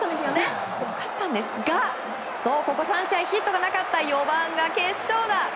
ここ３試合ヒットがなかった４番が決勝打。